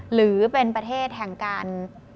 หรือเป็นประเทศแห่งการ